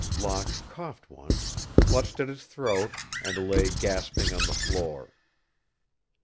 Locke coughed once, clutched at his throat, and lay gasping on the floor.